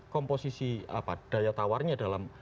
komposisi daya tawarnya dalam